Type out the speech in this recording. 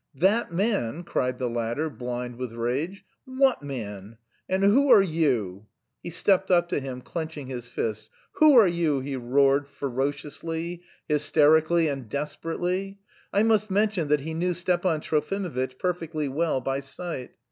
"That man!" cried the latter, blind with rage. "What man? And who are you?" He stepped up to him, clenching his fist. "Who are you?" he roared ferociously, hysterically, and desperately. (I must mention that he knew Stepan Trofimovitch perfectly well by sight.)